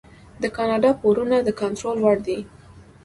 د کاناډا پورونه د کنټرول وړ دي.